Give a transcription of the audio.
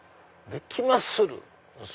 できまする？